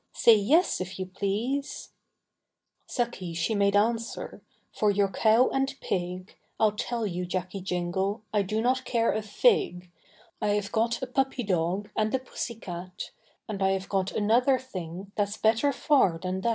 Say yes, if you please. Sucky she made answer, For your cow and pig, Iâll tell you, Jacky Jingle, I do not care a fig; I have got a puppy dog, And a pussy cat, And I have got another thing, Thatâs better far than that.